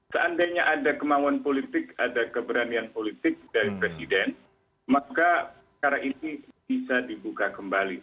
seandainya ada kemauan politik ada keberanian politik dari presiden maka sekarang ini bisa dibuka kembali